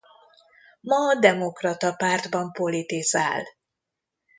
Ma a Demokrata Pártban politizál.